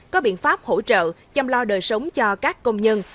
có biện pháp hỗ trợ chăm lo đời sống cho các công nhân